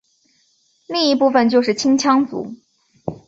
另一部分就是青羌族。